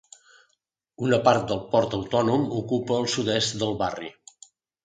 Una part del port autònom ocupa el sud-est del barri.